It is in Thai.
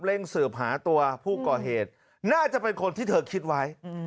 เร่งสืบหาตัวผู้ก่อเหตุน่าจะเป็นคนที่เธอคิดไว้